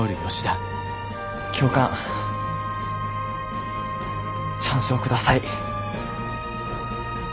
教官チャンスを下さい。